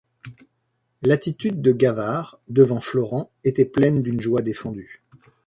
L’attitude de Gavard devant Florent était pleine d’une joie défendue.